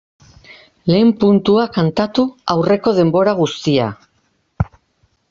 Lehen puntua kantatu aurreko denbora guztia.